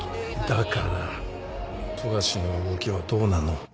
だから富樫の動きはどうなの？